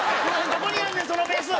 どこにあんねんそのベース！